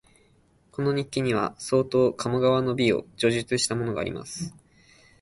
この日記には、相当鴨川の美を叙述したものがあります